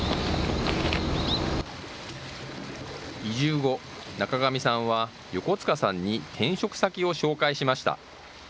移住後、中上さんは横塚さんに転職先を紹介しました。